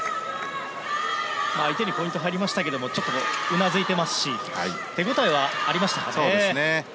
相手にポイントが入りましたがうなずいていますし手応えはありましたかね。